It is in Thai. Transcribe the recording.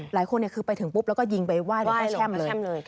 หลายคนคือไปถึงปุ๊บแล้วก็ยิงไปไหว้แช่มแช่มเลย